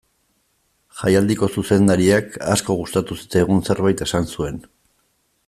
Jaialdiko zuzendariak asko gustatu zitzaigun zerbait esan zuen.